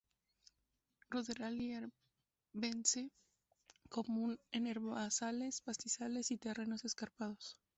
Ruderal y arvense, común en herbazales, pastizales y terrenos escarpados.